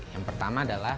yang pertama adalah